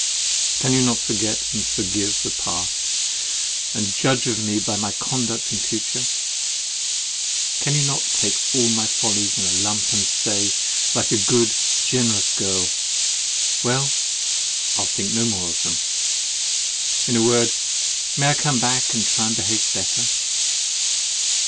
Can you not forget and forgive the past, and judge of me by my conduct in future? Can you not take all my follies in the lump, and say like a good, generous girl, "Well, I'll think no more of them?" In a word, may I come back, and try to behave better?